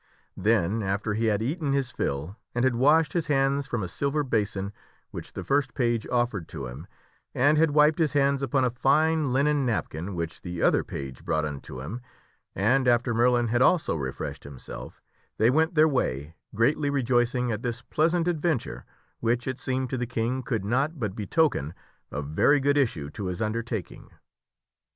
Then, after he had eaten his fill and had washed his hands from a silver basin which the first page offered to him, and had wiped his hands upon a fine linen napkin which the other page brought unto him, and after Merlin had also refreshed himself, they went their way, greatly rejoicing at this pleasant adventure, which, it seemed to the King, could not but betoken a very good issue to his undertaking.